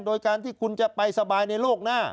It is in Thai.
โดยการที่คุณจะไปสบายในโลกหน้า